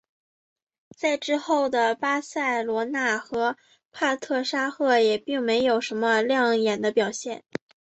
在之后的巴塞罗那和帕特沙赫也并没有什么亮眼的表现。